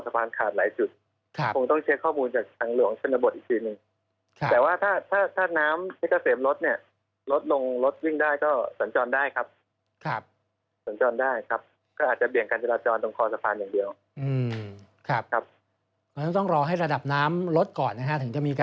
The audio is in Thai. ด่วงผ่านแห่งเดียวอืมครับก็ต้องรอให้ระดับน้ำลดก่อนนะฮะถึงจะมีค่ะ